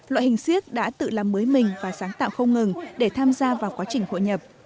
loại hình siếc đã tự làm mới mình và sáng tạo không ngừng để tham gia vào quá trình hội nhập